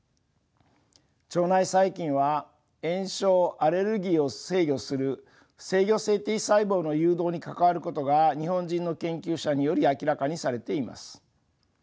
腸内細菌は炎症アレルギーを制御する制御性Ｔ細胞の誘導に関わることが日本人の研究者により明らかにされています。